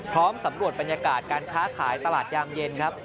สำรวจบรรยากาศการค้าขายตลาดยามเย็นครับ